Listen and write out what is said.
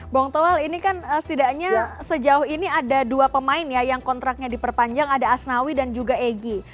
bung toel ini kan setidaknya sejauh ini ada dua pemain ya yang kontraknya diperpanjang ada asnawi dan juga egy